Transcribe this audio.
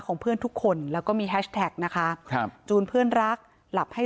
ของเพื่อนทุกคนแล้วก็มีนะคะครับจูนเพื่อนรักหลับให้